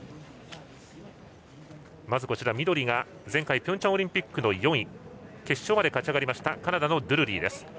まず、緑が前回のピョンチャンオリンピックの４位決勝まで勝ち上がりましたカナダのドゥルリーです。